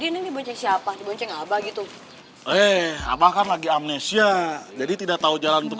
lagi ini banyak siapa bawa gitu eh apakah lagi amnesia jadi tidak tahu jalan untuk